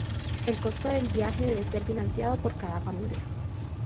El costo del viaje debe ser financiado por cada familia.